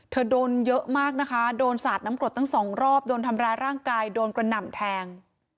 โดนเยอะมากนะคะโดนสาดน้ำกรดทั้งสองรอบโดนทำร้ายร่างกายโดนกระหน่ำแทง